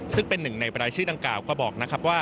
ซึ่งเป็นหนึ่งในรายชื่อดังกล่าก็บอกนะครับว่า